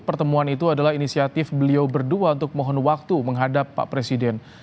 pertemuan itu adalah inisiatif beliau berdua untuk mohon waktu menghadap pak presiden